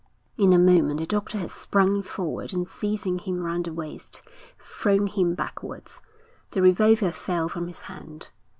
In a moment the doctor had sprung forward and seizing him round the waist, thrown him backwards. The revolver fell from his hand.